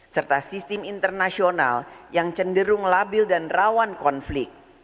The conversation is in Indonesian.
serta sistem internasional yang cenderung labil dan rawan konflik